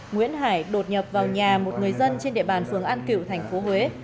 nguyễn hải đột nhập vào nhà một người dân trên địa bàn phường an cựu thành phố huế